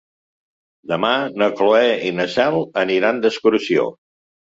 Demà na Cloè i na Cel aniran d'excursió.